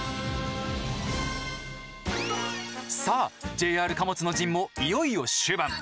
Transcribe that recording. さあＪＲ貨物の陣もいよいよ終盤。